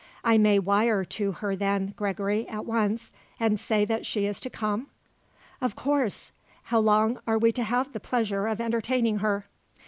I may wire to her, then, Gregory, at once, and say that she is to come?" "Of course. How long are we to have the pleasure of entertaining her?"